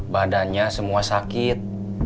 badannya semua sakit